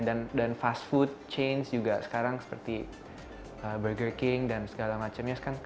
dan jenis makanan sehat juga sekarang seperti burger king dan segala macamnya